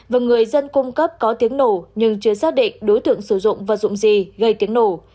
và người dân cung cấp có tiếng nổ nhưng chưa xác định đối tượng sử dụng vật dụng gì gây tiếng nổ